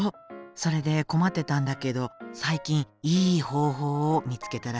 それで困ってたんだけど最近いい方法を見つけたらしいのよ。